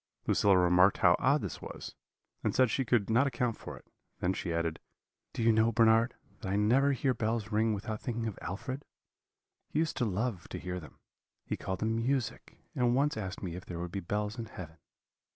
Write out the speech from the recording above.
Lucilla remarked how odd this was, and said she could not account for it; and then she added, 'Do you know, Bernard, that I never hear bells ring without thinking of Alfred? he used to love to hear them; he called them music, and once asked me if there would be bells in heaven.